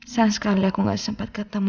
sayang sekali aku gak sempat ketemu